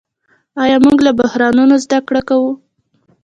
آیا موږ له بحرانونو زده کړه کوو؟